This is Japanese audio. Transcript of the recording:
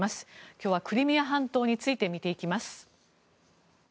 今日はクリミア半島について見ていきます。